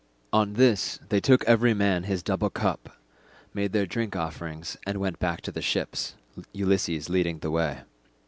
On this they took every man his double cup, made their drink offerings, and went back to the ships, Ulysses leading the way.